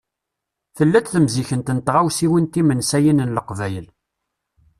Tella-d temsikent n tɣawsiwin timensayin n Leqbayel.